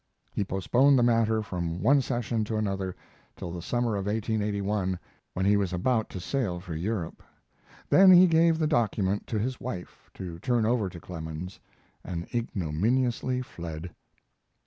He postponed the matter from one session to another till the summer of 1881, when he was about to sail for Europe. Then he gave the document to his wife, to turn over to Clemens, and ignominiously fled.